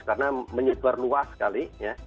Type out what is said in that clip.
karena menyebar luas sekali